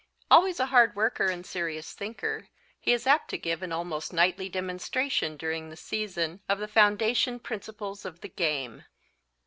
Always a hard worker and serious thinker, he is apt to give an almost nightly demonstration during the season of the foundation principles of the game.